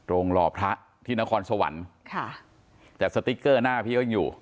หล่อพระที่นครสวรรค์ค่ะแต่สติ๊กเกอร์หน้าพี่ก็ยังอยู่